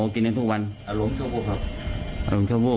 กินกันทุกวันอารมณ์ชั่ววูบครับอารมณ์ชั่ววูบ